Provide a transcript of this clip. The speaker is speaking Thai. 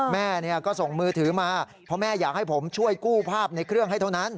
แม่ก็ส่งมือถือมาเพราะแม่อยากให้ผมช่วยกู้ภาพในเครื่องให้เท่านั้น